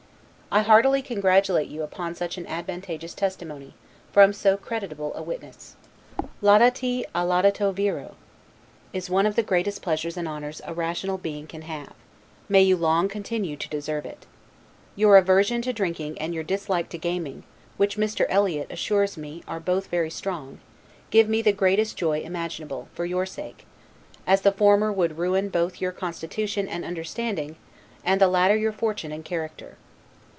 I heartily congratulate you upon such an advantageous testimony, from so creditable a witness. 'Laudati a laudato viro', is one of the greatest pleasures and honors a rational being can have; may you long continue to deserve it! Your aversion to drinking and your dislike to gaming, which Mr. Eliot assures me are both very strong, give me, the greatest joy imaginable, for your sake: as the former would ruin both your constitution and understanding, and the latter your fortune and character.